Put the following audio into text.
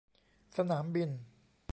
สนามบิน